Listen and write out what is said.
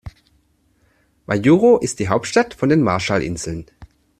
Majuro ist die Hauptstadt von den Marshallinseln.